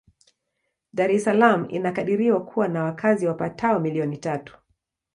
Dar es Salaam inakadiriwa kuwa na wakazi wapatao milioni tatu.